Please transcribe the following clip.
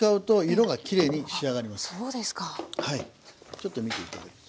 ちょっと見ていただいて。